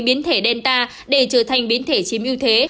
biến thể delta để trở thành biến thể chiếm ưu thế